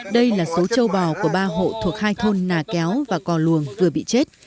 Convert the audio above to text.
đây là số châu bò của ba hộ thuộc hai thôn nà kéo và cò luồng vừa bị chết